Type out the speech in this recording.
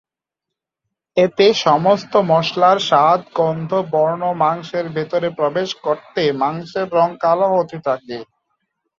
এতে সমস্ত মশলার স্বাদ, গন্ধ, বর্ণ মাংসের ভেতরে প্রবেশ করতে করতে মাংসের রং কালো হতে থাকে।